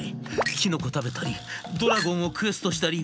キノコ食べたりドラゴンをクエストしたり」。